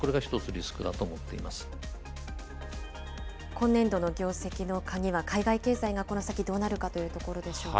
今年度の業績の鍵は、海外経済がこの先どうなるかというところでしょうか。